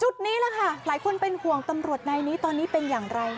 นี้แหละค่ะหลายคนเป็นห่วงตำรวจนายนี้ตอนนี้เป็นอย่างไร